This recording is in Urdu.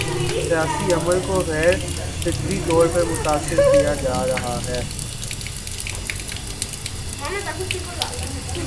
سیاسی عمل کو غیر فطری طور پر متاثر کیا جا رہا ہے۔